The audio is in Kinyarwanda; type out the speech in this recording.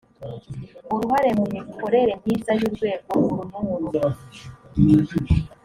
uruhare mu mikorere myiza y’urwego uru nuru